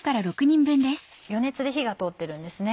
余熱で火が通ってるんですね。